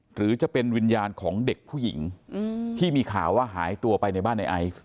หรือจะเป็นวิญญาณของเด็กผู้หญิงที่มีข่าวว่าหายตัวไปในบ้านในไอซ์